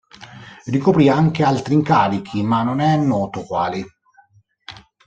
Ricoprì anche altri incarichi, ma non è noto quali.